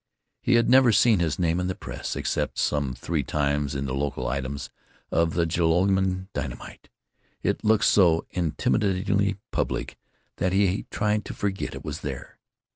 He had never seen his name in the press, except some three times in the local items of the Joralemon Dynamite. It looked so intimidatingly public that he tried to forget it was there.